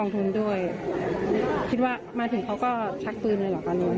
ผู้ใหญ่ไม่ได้นิดได้เลย